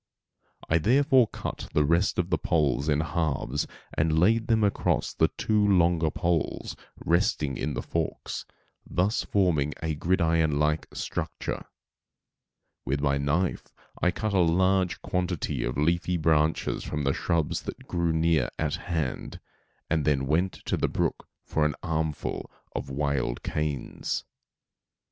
I therefore cut the rest of the poles in halves and laid them across the two longer poles resting in the forks, thus forming a gridiron like structure. With my knife I cut a large quantity of leafy branches from the shrubs that grew near at hand, and then went to the brook for an armful of wild canes.